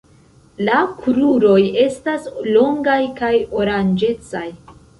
La kruroj estas longaj kaj oranĝecaj.